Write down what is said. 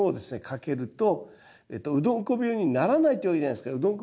かけるとうどんこ病にならないっていうわけじゃないですけどう